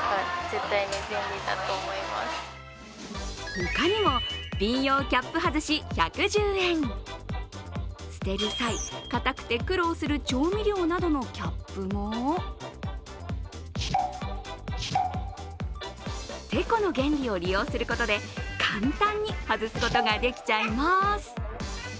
他にもビン用キャップ外し１１０円捨てる際、固くて苦労する調味料などのキャップもてこの原理を利用することで簡単に外すことができちゃいます。